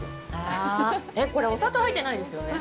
これ、お砂糖入ってないですよね。